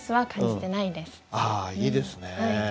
ああいいですね。